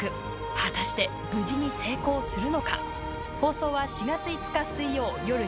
果たして無事に成功するのか？